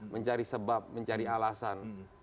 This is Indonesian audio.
mencari sebab mencari alasan